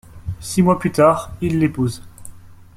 Six mois plus tard, il l'épouse.